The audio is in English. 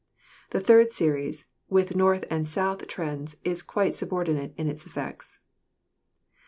The third series, with north and south trends, is quite subordinate in its effects.